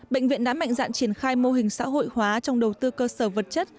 bệnh viện đã mạnh dạn triển khai mô hình xã hội hóa trong đầu tư cơ sở vật chất